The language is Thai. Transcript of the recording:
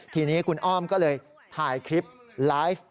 ทีนี้คุณอ้อมก็เลยถ่ายคลิปไลฟ์